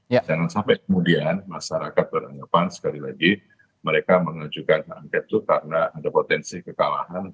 jangan sampai kemudian masyarakat beranggapan sekali lagi mereka mengajukan hak angket itu karena ada potensi kekalahan